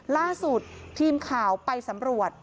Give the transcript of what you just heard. ล่าสุดทีมข่าวไปสำรวจ